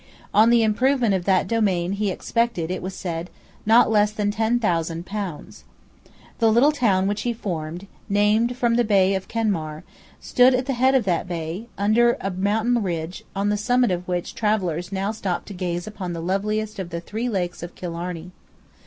On the improvement of that domain he expended, it was said, not less than ten thousand pounds. The little town which he founded, named from the bay of Kenmare, stood at the head of that bay, under a mountain ridge, on the summit of which travellers now stop to gaze upon the loveliest of the three lakes of Killarney.